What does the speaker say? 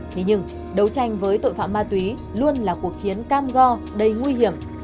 thế nhưng đấu tranh với tội phạm ma túy luôn là cuộc chiến cam go đầy nguy hiểm